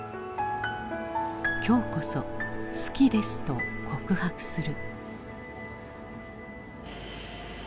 今日こそ「好きです」と告白する。